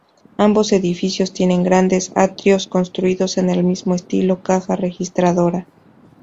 Ambos edificios tienen grandes atrios construidos en el mismo estilo caja registradora.